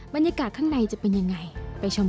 บรรยากาศข้างในจะเป็นอย่างไรไปชมกันค่ะ